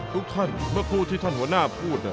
ทุกท่านเมื่อครู่ที่ท่านหัวหน้าพูด